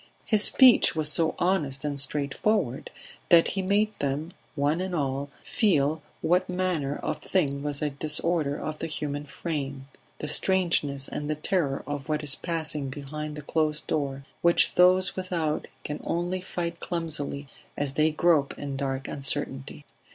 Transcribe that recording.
His speech was so honest and straightforward that he made them one and all feel what manner of thing was a disorder of the human frame the strangeness and the terror of what is passing behind the closed door, which those without can only fight clumsily as they grope in dark uncertainty.